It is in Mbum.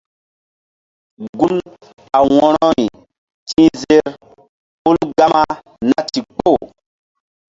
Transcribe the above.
Gun a wo̧rori ti̧h zer pul gama na ndikpoh.